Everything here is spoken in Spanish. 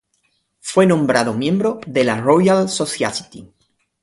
Fue nombrado miembro de la Royal Society.